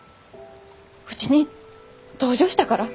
うちに同情したから？